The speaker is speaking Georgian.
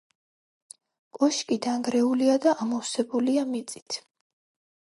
კოშკი დანგრეულია და ამოვსებულია მიწით.